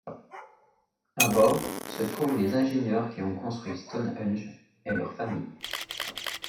À bord se trouvent les ingénieurs qui ont construit Stonehenge et leur famille.